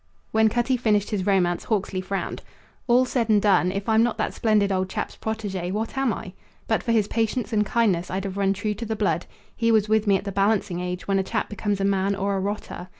When Cutty finished his romance Hawksley frowned. "All said and done, if I'm not that splendid old chap's protege, what am I? But for his patience and kindness I'd have run true to the blood. He was with me at the balancing age, when a chap becomes a man or a rotter.